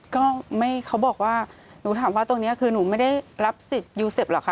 ก็บอกว่าหนูถามว่าตรงนี้คือหนูไม่ได้รับสิทธิ์ยูเซฟหรอกค่ะ